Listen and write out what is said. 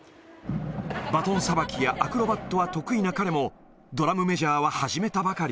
バトンさばきやアクロバットは得意な彼も、ドラムメジャーは始めたばかり。